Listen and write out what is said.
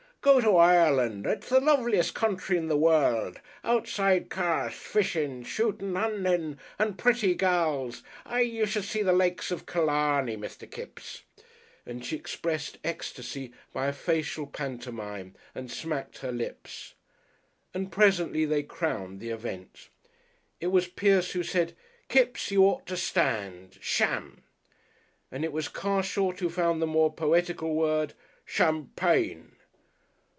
"Go to Oireland. Ut's the loveliest country in the world. Outside Car rs. Fishin', shootin', huntin'. An' pretty gals! Eh! You should see the Lakes of Killarney, Mr. Kipps!" And she expressed ecstasy by a facial pantomime and smacked her lips. And presently they crowned the event. It was Pierce who said, "Kipps, you ought to stand Sham!" And it was Carshot who found the more poetical word, "Champagne."